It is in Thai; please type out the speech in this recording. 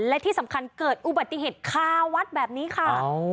และที่สำคัญเกิดอุบัติเหตุคาวัดแบบนี้ค่ะ